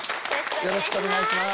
よろしくお願いします。